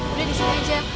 udah disini aja